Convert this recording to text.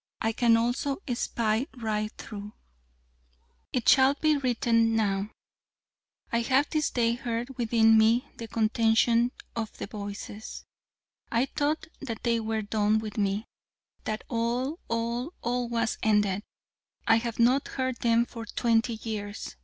I can also spy right through It shall be written now: I have this day heard within me the contention of the Voices. I thought that they were done with me! That all, all, all, was ended! I have not heard them for twenty years!